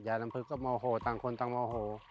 ลำพึกก็โมโหต่างคนต่างโมโห